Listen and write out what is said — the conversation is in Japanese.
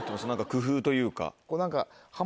工夫というか。